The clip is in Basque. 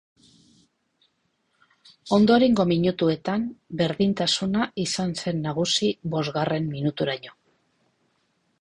Ondorengo minutuetan berdintasuna izan zen nagusi bosgarren minuturaino.